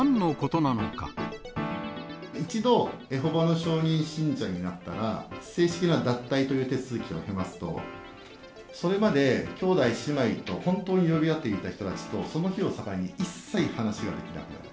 一度、エホバの証人信者になったら、正式な脱退という手続きを経ますと、それまで兄弟姉妹と本当に呼び合っていた人たちと、その日を境に一切話ができなくなる。